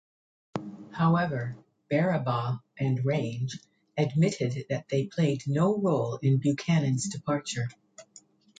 However, Berrabah and Range admitted that they played no role in Buchanan's departure.